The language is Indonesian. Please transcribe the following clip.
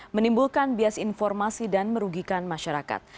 menimbulkan bias informasi dan merugikan masyarakat